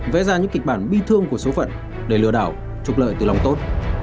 vẽ ra những kịch bản bi thương của số phận để lừa đảo trục lợi từ lòng tốt